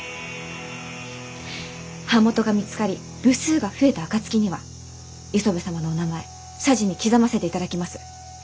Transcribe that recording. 版元が見つかり部数が増えた暁には磯部様のお名前謝辞に刻ませていただきます。